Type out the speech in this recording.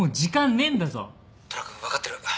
虎君分かってる。